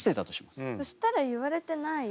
そしたら言われてないよ。